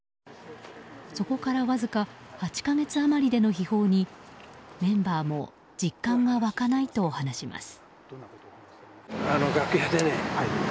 そこからわずか８か月余りでの悲報にメンバーも実感が湧かないと話します。